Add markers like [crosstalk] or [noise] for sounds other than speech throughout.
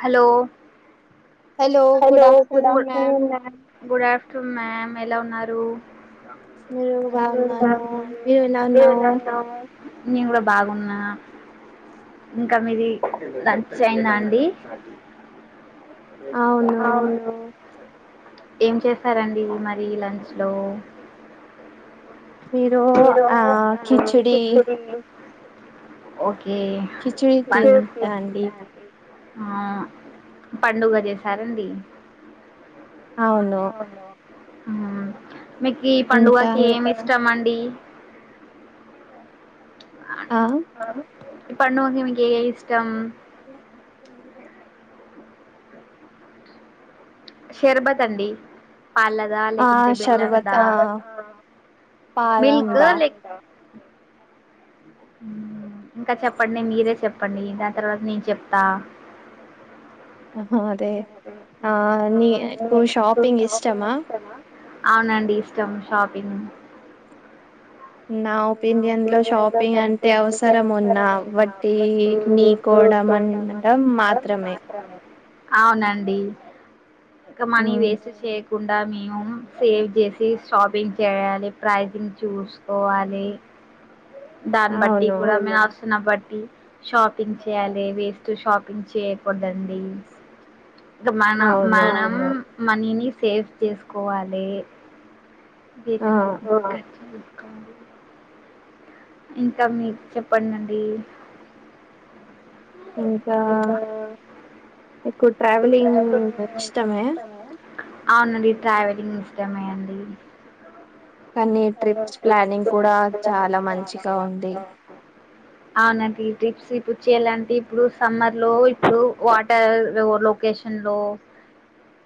Hello hello good afternoon ma'am good afternoon ma'am ఎలా ఉన్నారు మీరు నేను బాగున్నాను బాగున్న మీరు నీవు ఎలా ఉన్నావు నేను గూడా బాగున్నా ఇంకా మీది లంచ్ అయిందా అండి అవును అవును ఏం చేస్తారండి మరి లంచ్ లో మీరు [inaudible] ఆ కిచిడి చిక్కుడు గింజలు ఒకే కిచిడి కె తింటా అండి [unintelligible] ఆ పండుగ చేసారండి అవును ఉమ్ మకి ఇంకా పండువాకి ఏమి ఇష్టం అం డి ఆ అన్నారు ఈ పండుగకి మీకేదిష్టం [inaudible] షర్బత్ అండి పాలదా ఆ లేకుంటే షర్బత్ బెల్లందా ఆ మిల్క్ పాలందా లేక్ [inaudible] ఇంకా చెప్పండి మీరే చెప్పండి దాని తర్వాత నేను చెప్తా అ దే ఆ నీ కు షాపింగ్ ఇష్టమా అవునండి ఇష్టం షాపింగ్ పిండియన్ నాకు లో ఇంట్లో షాపింగ్ అంటే అవసరం ఉన్నా ఉందా వట్టి అప్పుడప్పుడు నీకోడం అన్ చూడడం డం అంటే మాత్రమే అవునండి ఇక మనీ ఉమ్, వేస్ట్ చేయా కుండా మేము సేవ్ చేసి షాపింగ్ చేయాలి, ప్రైజింగ్ చూసుకోవాలి దాన్ని బట్టి అవును కూడా మ్యాస్ నబట్టి షాపింగ్ చేయాలి వేస్ట్ షాపింగ్ చేయకూడదండి ఇంకా మన అవును మనం మనీని సేఫ్ చేసుకోవాలి ఆ తీసుకోవాలి ఇంకా మీకు చెప్పండండి ఇంకా ఎక్కువ ఇప్పుడు ట్రావెలింగ్ మీకు ఇష్టమే ఇష్టమా అవునండి ట్రావెలింగ్ ఇష్టమే అండి కానీ ట్రిప్స్ ప్లానింగ్ కూడా [inaudible] చాలా మంచిగా ఉంది మంచి అవునండి ట్రిప్స్ ఇప్ డు చేయాలంటే ఇప్పుడు సమ్మర్ లో ఇప్పుడు వాటర్ లొకేషన్ లో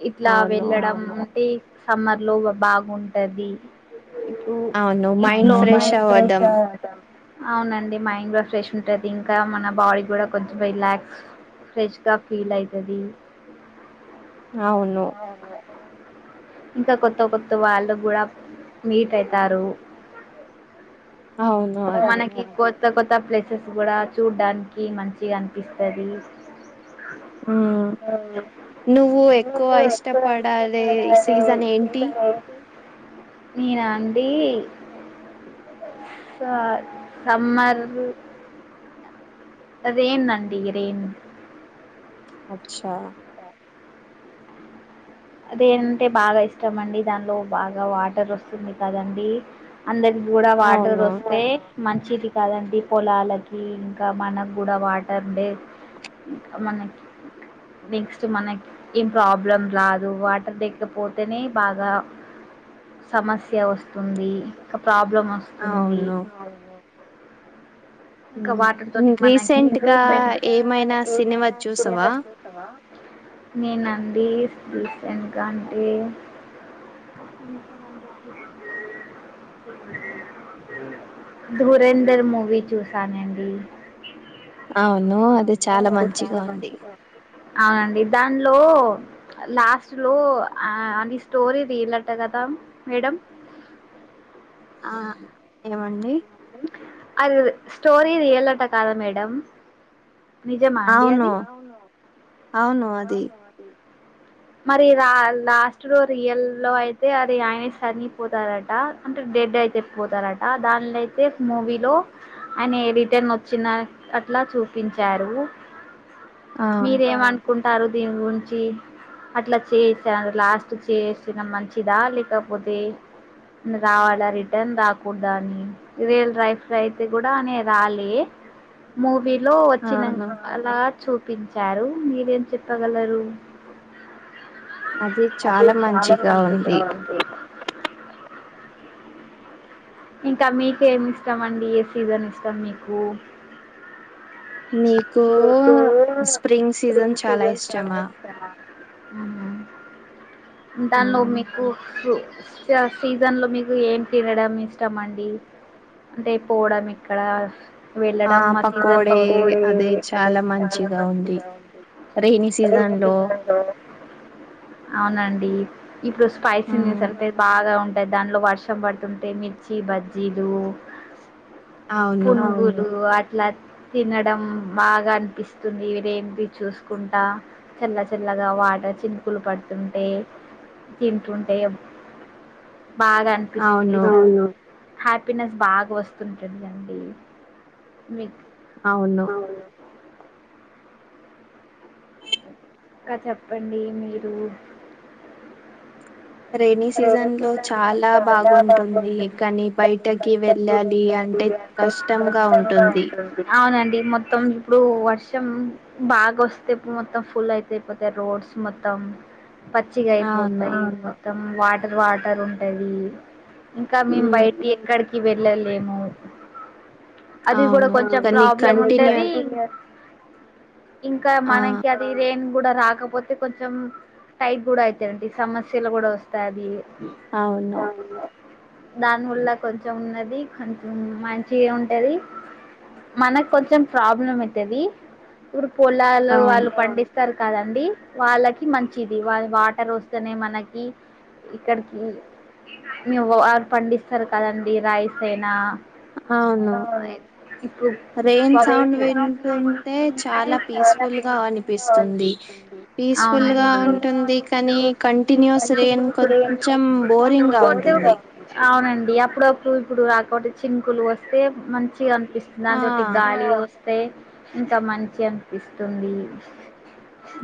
ఇట్లా అవును వెళ్ళడం అంటే సమ్మర్ లో బాగుంటది ఇప్పుడు అవును మైండ్ ఇంట్లోవున్న ఫ్రెష్ అవ్వడం అవునండి మైండ్ లో ఫ్రెష్ ఉంటది ఇంకా మన బాడీ కూడా కొంచెం రిలాక్స్ ఫ్రెష్ గా ఫీల్ అయితది. అవును అవును ఇంకా కొత్త కొత్త వాళ్ళు కూడా మీట్ అయితారు. అవును అదే మనకి కొత్త కొత్త ప్లేసెస్ కూడా చూడ్డానికి మంచిగా అనిపిస్తది. ఉమ్ అవును నువ్వు ఎక్కువ నువ్వు ఎక్కువ ఇష్టపడాలే ఇష్టపడది సీజన్ తి [unintelligible] ఏంటి? నేనా అండి. స సమ్మర్ రేన్ అండి రేన్ అచ్చా అదే అంటే బాగా ఇష్టం అండి దానిలో బాగా వాటర్ వస్తుంది కదండి అందరి కూడా వాటర్ అవును వస్తే మంచిది కదండి పొలాలకి ఇంకా మనకు కూడా వాటర్ డే ఇంకా మనకి నెక్స్ట్ మనకి ఏం ప్రాబ్లం రాదు. వాటర్ లేకపోతేనే బాగా సమస్య వస్తుంది. ఇంకా ప్రాబ్లం వస్తుంది. అవును ఇంకా ఉమ్, వాటర్ తోటి మనకి రీసెంట్ గా రీసెంట్ గా ఏమైనా సినిమా ఏమైనా చూసావా సినిమా చూసావా? నేన అండి సీషాను గాండి. [inaudible] ధురేందర్ మూవీ చూసానండి. నో అది అవును చాలా అది మంచిగా చాలా ఉంది. అవునండి దానిలో లాస్ట్ లో ఆ అని స్టోరీ రియల్ అంట కదా మేడం ఆ ఏమండి? అది స్టోరి రియల్ అటా కాదా మేడం నిజమా అండి అది అవును అవును అది [inaudible] మరి రా లాస్ట్ లో రియల్ లో అయితే అది ఆయనే చనిపోతారట అంటే డె డే అయితే పోతారట దానిలోయితే మూవీలో ఆయన రిటర్న్ వచ్చిన అట్లా చూపించారు. ఆ మీరేమనుకుంటారు దీని గురించి అట్లా చేసారు. లాస్ట్ చేసిన మంచిదా లేకపోతే రావాలా రిటర్న్ రాకుడదా అండి రియల్ రై ఫ్రై అయితే కూడా అనే రాలే మూ ర్తిలో అవును వచ్చినాంక అలా చూపించారు మీరేం చెప్పగలరు? అది అదే చాలా మంచిగా వంట ఉంది కా [unintelligible] ఇంకా మీకేమి ఇష్టం అండి ఏ సీజన్ ఇష్టం మీకు మీకు నాకు స్ప్రింగ్ సీజన్స్ చాలా ఇష్టం అండి. ఆహా దానిలో మ్మ్ మీకు ఫ్రూ సీజన్ లో మీకు ఏం తినడం ఇ ఇష్టం అండి అంటే పోవడం ఇక్కడ వెళ్ళడం ఆ సీజన్ లో పోడే అదే చాలా మంచిగా ఉంది. రెైనీ సీజన్ రెండు లో తుంగ అంగావ అవునండి ఇప్పుడు స్పైసీ నేస్ మ్మ్ అంటే బాగా ఉంట్ అంటే దాంట్లో వర్షం పడుతుంటే మిర్చి బజ్జీలు అవును పునుగులు అట్ అట్లా తినడం బాగా అనిపిస్తుంది. రేన్బి చూసుకుంటా చల్ల చల్ల కదా వాటర్ చినుకులు పడుతుంటే తింటుంటే బాగా అనిపిస్తుంది అవును. హ్యాపీనెస్ బాగా వస్తుంటుందండి మీక్ అవును ఇంకా చెప్పండి మీరు రైనీ సీజన్లో చాలా బాగుంటుంది కానీ బయటకు వెళ్లాలి లి అంటే కష్టంగా ఉంటుంది అవునండి. మొత్తం ఇప్పుడు వర్షం బాగా వస్తే ఇప్పు మొత్తం ఫుల్ ఐతేపోతాయ్ రోడ్స్ మొత్తం పచ్చిగా అవును అయిపోతాయి మొత్తం వాటర్ వాటర్ ఉంటది. ఇంకా మేము మ్మ్ బయటి ఎక్కడికి వెళ్ళలేము. అది కూడా అవును కొంచెం కానీ ప్రాబ్లం కంటిన్యూ ఉంటది. ఇంకా ఆ మనకి అది రెేన్ కూడా రాకపోతే కొంచెం టైట్ కూడా అయితంటి సమస్యలు కూడా వస్తాది. అవును దాని ఉల్ల కొంచెం ఉన్నది కొంచెం మంచిగా ఉంటది మనకు కొంచెం ప్రాబ్లం అయితది. ఇప్పుడు పొలాలు అవును వాళ్ళు పండిస్ ఇస్తారు కదండి వాళ్ళకి మంచిది వాళ్ వాటర్ వస్తేనే మనకి ఇక్కడికి మేవు వారు పండిస్తారు కదండి రైస్ అయినా అవును ఆ ఇపుడ్ రెయిన్ మరే సౌండ్ వింటే వింటుంటే ఉంటే చాలా గా పీస్ఫుల్ గా అనిపిస్తుంది అనిపిస్తుంది. పీస్ఫుల్ గా అవునండి. ఉంటుంది కానీ కంటిన్యూస్ రెయిన్ కంటిన్యూస్ కొంచెం బోరింగ్ గా ఉంటుంది [unintelligible] అవునండి అప్పుడప్పుడు ఇప్పుడు ఆకోటి చినుకులు వస్తే మంచి మంచిగా అనిపిస్తుంది ఆ దాంతోటి గాలి వస్తే ఇంకా మంచిగా అనిపిస్తుంది.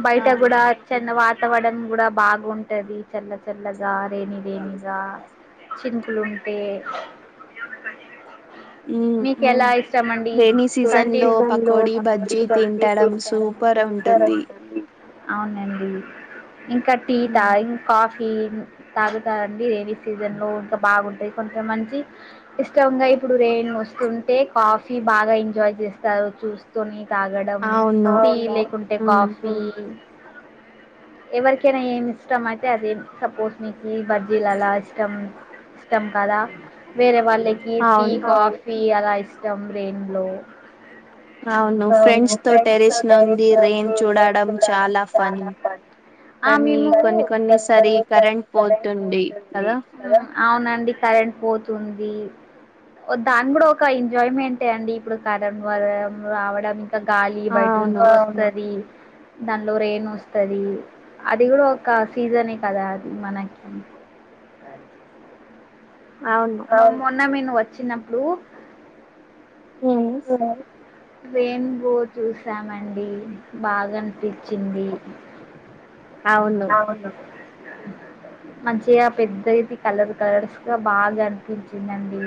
బయట అవును కూడా చెన్న వాతావడం కూడా బాగుంటది చల్ల చల్లగా రైనీ రైనిగా చినుకులు ఉంటే ఉమ్ మీకు ఎలా ఇష్టం అండి. రెైనీ సీజన్ లో పకోడీ బజ్జీ తింటడం సూపర్ ఉంటుంది అవునండి ఇంకా టీటా ఉమ్. ఇంకా కాఫీ మ్ తాగుతాండి రెైనీ సీజన్లో ఇంకా బాగుంటయ్. కొంత మంచి ఇష్టంగా ఇప్పుడు రెయిన్ వస్తుం టే కాఫీ బాగా ఎంజాయ్ చేస్తారు చూస్కొని తాగడం అవును టీ లేకుంటే ఉమ్ కాఫీ ఉమ్. ఎవరికైనా ఏమి ఇష్టం అయితే అదే సపోజ్ మీకి బజ్ జీలాలా ఇష్టం ఇష్టం కదా వేరే వాళ్ళకి టీ అవును కాఫీ అలా ఇష్ ష్టం రెైన్లో అవును ఫ్రెండ్స్ తో టెరెస్ నుండి రైన్ చూడడం చాలా ఫన్ కానీ కొన్ని కొన్ని స్ సరే సరి కరెంట్ పోతుంది కదా అవునండి కరెంట్ పోతుంది. దాన్కూడా ఒక ఎంజాయ్మెంటే అండి ఇప్పుడు కరెంట్ [inaudible] రావడం గాలి బయట అవును ఉంటది. దానిలో రేన్ వస్తది అది కూడా ఒక సీజనే కదా అది మనకి అవును అన్న మేను వచ్చినప్పుడు ఎస్ రెయిన్బో చూసామండి బాగా అనిపించింది అవును మంచిగా పెద్దయితే కలర్ కలర్స్ గా బాగా అనిపించిందండి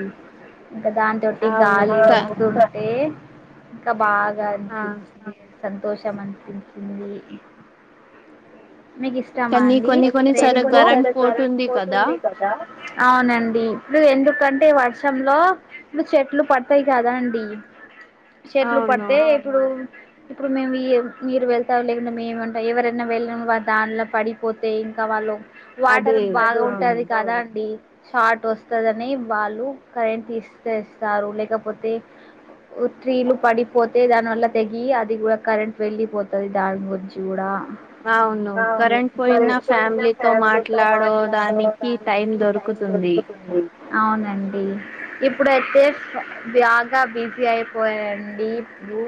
ఇంకా దానితోటి అవును గాలి క వస్తుంటే ఇంకా బాగ ఆ అనిపిస్తుంది సంతోషం అనిపించింది మీకు ఇష్టమా కానీ అండి కొన్ని కొన్ని సరే రెయిన్బో కరెంట్ పోతుంది కదా అవునండి ఇప్పుడు ఎందుకంటే వర్షంలో ఇప్పుడు చెట్లు పడతాయి కదా అండి చెట్లు అవును పడితే ఇప్పుడు ఇప్పుడు మేము మీరు వెళ్తా లేకుండా మేము ఉంటాం ఎవరైనా వెళ్ళ వా దానిలో పడిపోతే ఇంకా వాళ్ళు వాటర్ అదే అవును బాగుంటది కదా అండి షార్ట్ వస్తదని వాళ్ళు కరెంట్ తీస్తేస్తారు లేకపోతే త్రీలు పడిపోతే దాని వల్ల తెగి అది కూడా కరెంట్ వెళ్లిపోతుది దాని గురించి కూడా అవును కరెంట్ ఇప్పుడు పోయిన కరెంట్ పోయినా ఫ్యామిలీతో మాట్లాడో దానికి టైం మాట్లాడడానికి దొరుకుతు ది దొరుకుతుంది. అవునండి ఇప్పుడైతే బాగ బిజీ అయిపోయారండి [unintelligible]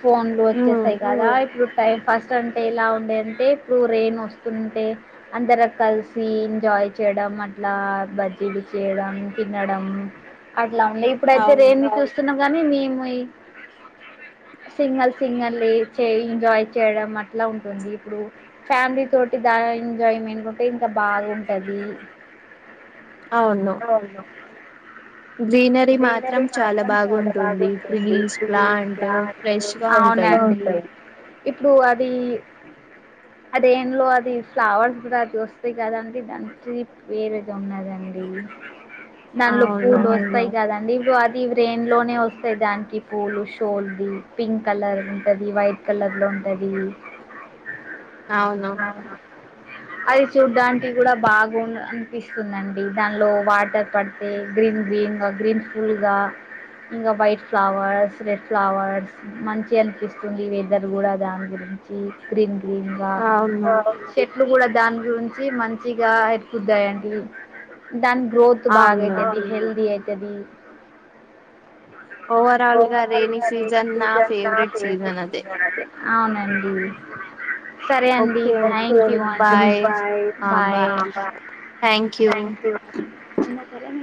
ఫోన్లు ఉమ్ వచ్చేసాయి కదా ఇప్పుడు టై ఫస్ట్ అండ్ అ ఎల ఉండే అంటే ఇప్పుడు రైయిన్ వస్తుంటే అందర కలిసి ఎంజాయ్ చేయడం అంటే ఇలా బజ్జీలు చేయడం తినడం అట్లా ఉంది ఇప్పుడైతే అవును రేణ చూస్తున్న కాని మేము సింగల్ సింగల్ చేయ్ చే ఎంజాయ్ చేయడం అట్ అట్లా ఉంటుంది ఇప్పుడు ఫ్యామిలీ తోటి దా ఎంజాయ్మెంట్ ఉంటే ఇంకా బాగుంటది అవును [unintelligible] గ్రీనరీ మాత్రం గ్రీనరీ చాలా మాత్రం బాగుంటుంది బాగుంటుంది trees trees plant plants fresh గా ఉంటాయి అవునండి ఇప్పుడు అది అదేంలో అది ఫ్లవర్స్ కూడా అది వస్తాయి కదా అంటే ఇనికి వేరేది ఉన్నదండి నలు పూ అవును దోస్తయి కాదా అం ఇప్పుడు అది రెయిన్ లోనే వస్తాయి దానికి పూలు షోల్ది పింక్ కలర్ ఉంటది వైట్ కలర్లో ఉంటది అవును అది చూడ్డానికి కూడా బాగు అనిపిస్తుందిండి దానిలో వాటర్ పడితే గ్రీన్ గ్రీన్ గ్రీన్ ఫుల్గా ఇంకా వైట్ ఫ్లవర్స్ రెడ్ ఫ్లవర్స్ మంచి అనిపిస్తుంది వెదర్ కూడా దాని గురిం గ్రీన్ గ్రీన్ గా అవును చె ట్లు కూడా దాని గురించి మంచిగా హపుద్దాయంండి దాని గ్రోత్ బాగా అవును అయితాది హెల్దీ అయితాది గా ఓవరాల్ రైనీ సీజన్ నా గా ఫేవరెట్ సీజన్ అదే [inaudible] అవునండి సరే అండి okay thank you a bye bye ఆ బాయ్ బాయ థ్యాంక్ యు చిన్న [unintelligible]